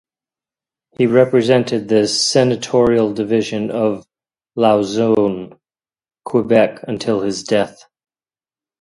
He represented the senatorial division of Lauzon, Quebec until his death.